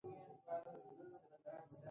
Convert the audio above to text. نوم یې کاسیوس کلي و دا حقیقت دی.